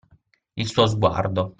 Il suo sguardo